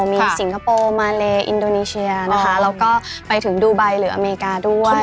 มีสิงคโปร์มาเลอินโดนีเชียนะคะแล้วก็ไปถึงดูไบหรืออเมริกาด้วย